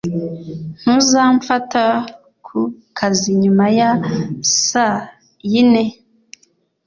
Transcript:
Ntuzamfata ku kazi nyuma ya saa yine